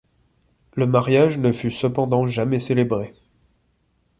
Le mariage ne fut cependant jamais célébré.